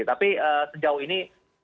tapi sejauh ini